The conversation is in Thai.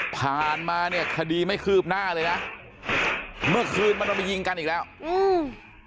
ผ่านมาเนี่ยคดีไม่คืบหน้าเลยนะเมื่อคืนมันเอาไปยิงกันอีกแล้วอืม